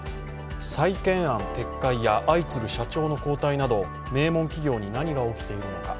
再建案撤回や相次ぐ社長の交代など名門企業に何が起きているのか。